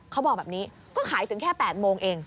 เขาบอกแบบนี้ก็ขายถึงแค่๘โมงเอง